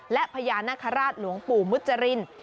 และพยานคราชหลวงปู่มุจรินทร์